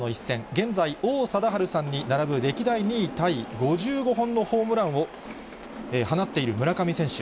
現在、王貞治さんに並ぶ歴代２位タイ、５５本のホームランを放っている村上選手。